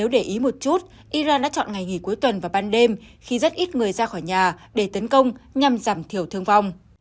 để ý một chút iran đã chọn ngày nghỉ cuối tuần và ban đêm khi rất ít người ra khỏi nhà để tấn công nhằm giảm thiểu thương vong